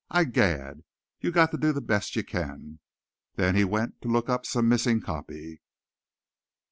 "I gad! You got to do the best you can." Then he went to look up some missing copy.